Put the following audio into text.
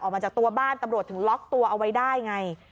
ออกมาจากตัวบ้านตำรวจถึงล็อกตัวเอาไว้ได้ไง